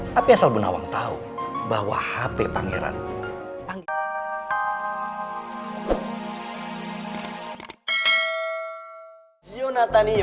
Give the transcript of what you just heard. tapi asal bu nawang tahu bahwa hp pangeran